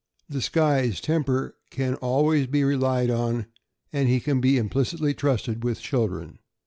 The Skye's temper can always be relied on, and he can be implicitly trusted with children.